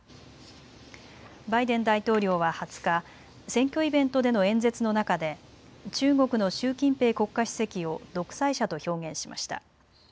バイデン大統領は２０日、選挙イベントでの演説の中で中国の習近平国家主席を独裁者と表現しました。